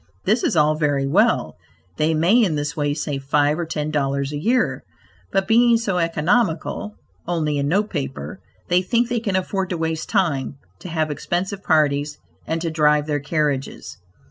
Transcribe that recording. This is all very well; they may in this way save five or ten dollars a year, but being so economical (only in note paper), they think they can afford to waste time; to have expensive parties, and to drive their carriages.